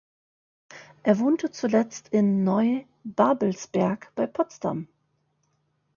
Er wohnte zuletzt in Neubabelsberg bei Potsdam.